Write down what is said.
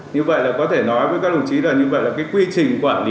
như vậy là có thể nói với các đồng chí là như vậy là cái quy trình quản lý